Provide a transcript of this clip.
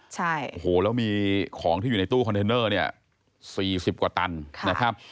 ใช่โอ้โหแล้วมีของที่อยู่ในตู้คอนเทนเนอร์เนี่ยสี่สิบกว่าตันนะครับ